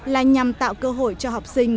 là nhằm tạo cơ hội cho học sinh